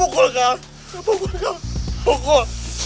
pukul kau pukul